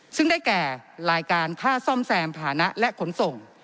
ซึ่งได้แก่รายการค่าซ่อมแซมฐานะและขนส่ง